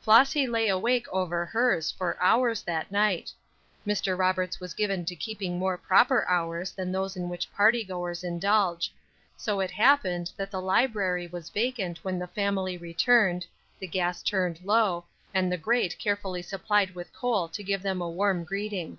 Flossy lay awake over hers for hours that night. Mr. Roberts was given to keeping more proper hours than those in which party goers indulge. So it happened that the library was vacant when the family returned, the gas turned low, and the grate carefully supplied with coal to give them a warm greeting.